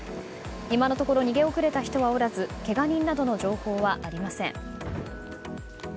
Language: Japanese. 今のところ逃げ遅れた人はおらずけが人などの情報はありません。